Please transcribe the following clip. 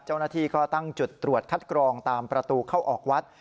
เจ้าหน้าที่ก็ตั้งจุดตรวจคัดกรองตามประตูเข้าออกวัด